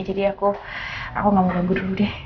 jadi aku gak mau ganggu dulu deh